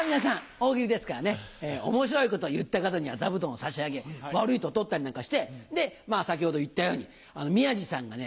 大喜利ですからね面白いことを言った方には座布団を差し上げ悪いと取ったりなんかしてまぁ先ほど言ったように宮治さんがね